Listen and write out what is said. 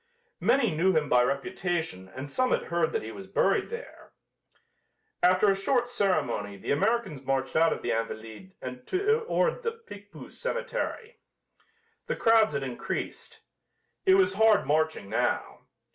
Many knew him by reputation and some had heard that he was buried there. After a short ceremony the Americans marched out of the "Invalides" and toward the Picpus cemetery. The crowds had increased. It was hard marching now.